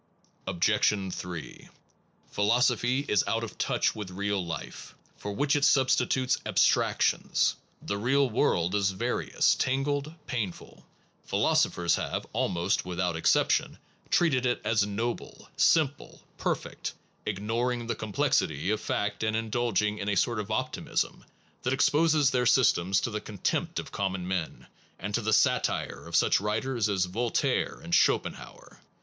Objection 3. Philosophy is out of touch with real life, for which it substitutes abstractions. The real world is various, tangled, painful. Philosophers have, almost without exception, treated it as noble, simple, and perfect, ignoring the complexity of fact, and indulging in a sort of optimism that exposes their systems to the contempt of common men, and to the satire of such writers as Voltaire and Schopenhauer.